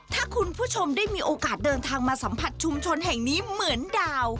ถ้าคุณผู้ชมได้มีโอกาสเดินทางมาสัมผัสชุมชนแห่งนี้เหมือนดาว